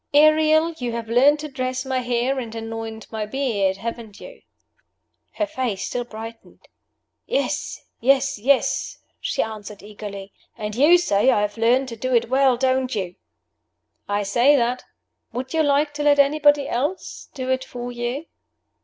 "Ariel! you have learned to dress my hair and anoint my beard, haven't you?" Her face still brightened. "Yes! yes! yes!" she answered, eagerly. "And you say I have learned to do it well, don't you?" "I say that. Would you like to let anybody else do it for you?"